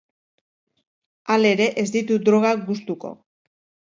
Halere, ez ditu drogak gustuko.